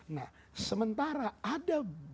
nah sementara ada